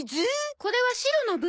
これはシロの分。